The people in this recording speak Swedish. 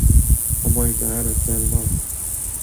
Han var inte här efter elva.